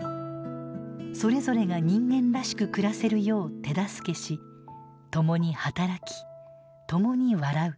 それぞれが人間らしく暮らせるよう手助けし共に働き共に笑う。